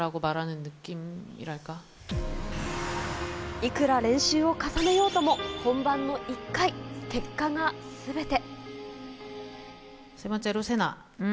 いくら練習を重ねようとも、本番の１回、結果がすべて。